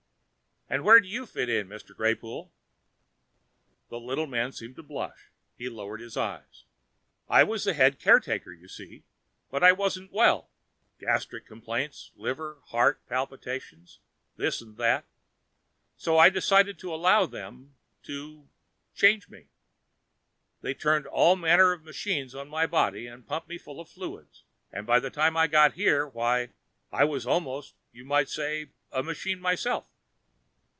"And where do you fit in, Mr. Greypoole?" The little man seemed to blush; he lowered his eyes. "I was head caretaker, you see. But I wasn't well gastric complaints, liver, heart palpitations, this and that; so, I decided to allow them to ... change me. They turned all manner of machines on my body and pumped me full of fluids and by the time I got here, why, I was almost, you might say, a machine myself!